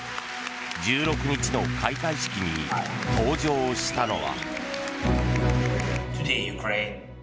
１６日の開会式に登場したのは。